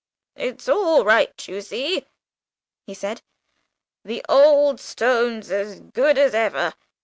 "It's all right, you see," he said. "The old stone's as good as ever.